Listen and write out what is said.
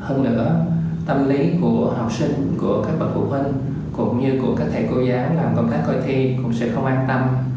hơn nữa tâm lý của học sinh của các bậc phụ huynh cũng như của các thầy cô giáo làm công tác coi thi cũng sẽ không an tâm